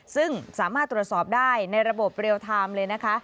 ซึ่งสามารถตรวจสอบได้ในระบบเรียลไทม์เลยนะคะ